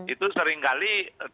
itu seringkali dianggap